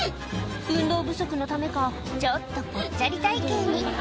運動不足のためか、ちょっとぽっちゃり体型に。